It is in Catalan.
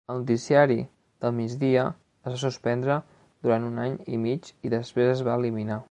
El noticiari del migdia es va suspendre durant un any i mig i després es va eliminar.